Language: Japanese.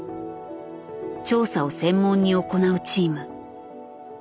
調査を専門に行うチーム。